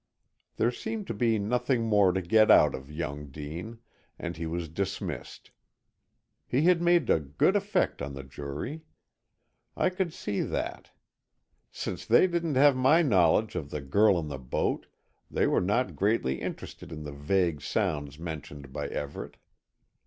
There seemed to be nothing more to get out of young Dean, and he was dismissed. He had made a good effect on the jury, I could see that. Since they didn't have my knowledge of the girl in the boat, they were not greatly interested in the vague sounds mentioned by Everett.